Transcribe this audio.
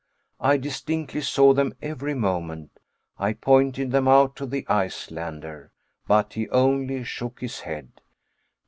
I distinctly saw them every moment. I pointed them out to the Icelander. But he only shook his head.